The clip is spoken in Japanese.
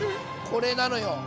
これなのよ。